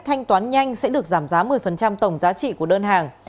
thanh toán nhanh sẽ được giảm giá một mươi tổng giá trị của đơn hàng